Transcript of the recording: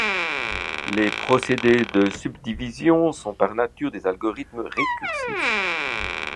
Les procédés de subdivision sont par nature des algorithmes récursifs.